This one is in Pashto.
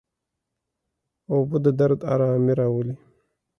اوبه د درد آرامي راولي.